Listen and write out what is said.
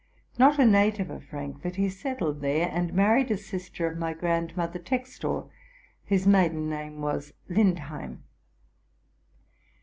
Not a native of Frankfort, he settled there, and married a sister of my grandmother Textor, whose maiden name was Lindheim.